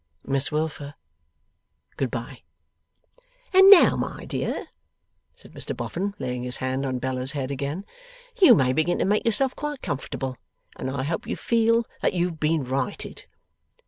Miss Wilfer, good bye!' 'And now, my dear,' said Mr Boffin, laying his hand on Bella's head again, 'you may begin to make yourself quite comfortable, and I hope you feel that you've been righted.